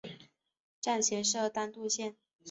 站前设单渡线。